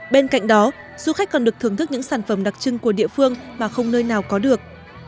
bên cạnh đó du khách còn được thưởng thức những sản phẩm đặc trưng của địa phương mà không nơi nào có được